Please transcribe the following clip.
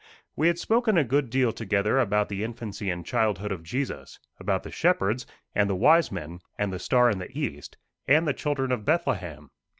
We had spoken a good deal together about the infancy and childhood of Jesus, about the shepherds, and the wise men, and the star in the east, and the children of Bethlehem.